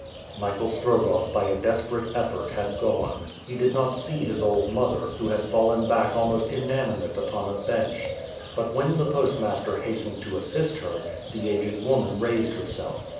Michael Strogoff, by a desperate effort, had gone. He did not see his old mother, who had fallen back almost inanimate upon a bench. But when the postmaster hastened to assist her, the aged woman raised herself.